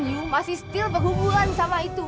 you masih still berhubungan sama itu